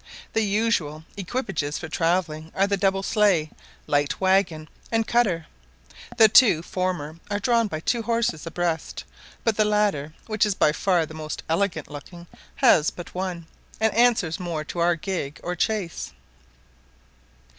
The usual equipages for travelling are the double sleigh, light waggon, and cutter; the two former are drawn by two horses abreast, but the latter, which is by far the most elegant looking, has but one, and answers more to our gig or chaise.